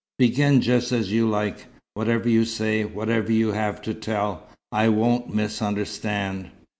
"Begin just as you like. Whatever you say, whatever you have to tell, I won't misunderstand."